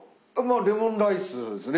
まあレモンライスです。